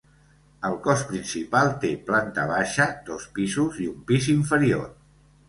El cos principal té planta baixa, dos pisos i un pis inferior.